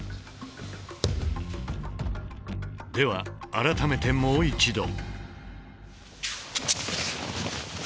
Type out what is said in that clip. では改めてもう一度。